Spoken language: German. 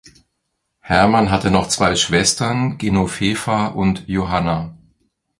Hermann hatte noch zwei Schwestern "Genovefa" und "Johanna".